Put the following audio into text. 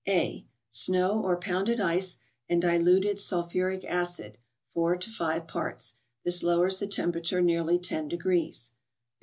A. —Snow, or pounded ice, and diluted sulphuric acid, 4 to 5 parts. This lowers the temperature nearly ten de¬ grees.